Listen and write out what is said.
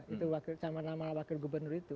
itu sama nama wakil gubernur itu